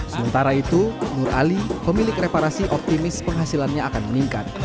sementara itu nur ali pemilik reparasi optimis penghasilannya akan meningkat